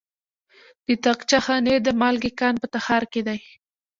د طاقچه خانې د مالګې کان په تخار کې دی.